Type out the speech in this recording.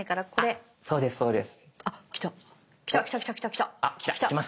あっそうですそうです。